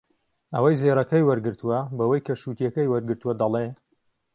ئەوەی زێڕەکەی وەرگرتووە بەوەی کە شووتییەکەی وەرگرتووە دەڵێ